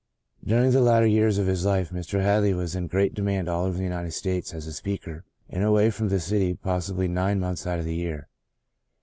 During the latter years of his life Mr. Hadley was in great demand all over the United States as a speaker and away from the city possibly nine months out of the year.